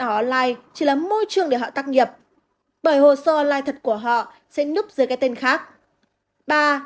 họ online chỉ là môi trường để họ tác nghiệp bởi hồ sơ lai thật của họ sẽ núp dưới cái tên khác